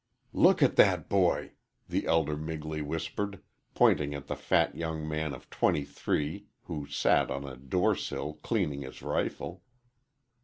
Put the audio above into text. "Look at that boy," the elder Migley whispered, pointing at the fat young man of twenty three who sat on a door sill cleaning his rifle.